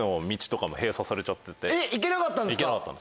行けなかったんですか？